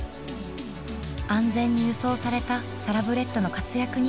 安全に輸送されたサラブレッドの活躍に注目です